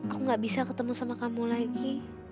aku gak bisa ketemu sama kamu lagi